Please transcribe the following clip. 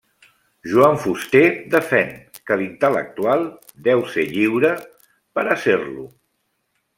Joan Fuster defèn que l'intel·lectual deu ser lliure per a ser-lo.